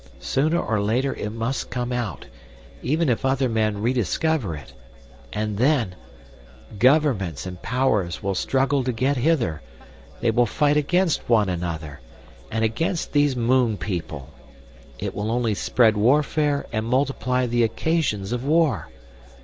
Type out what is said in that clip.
Sooner or later it must come out, even if other men rediscover it. And then ... Governments and powers will struggle to get hither, they will fight against one another, and against these moon people; it will only spread warfare and multiply the occasions of war.